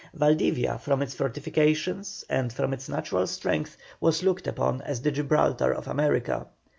Valdivia from its fortifications and from its natural strength, was looked upon as the Gibraltar of America.